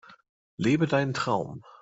Lebe deinen Traum!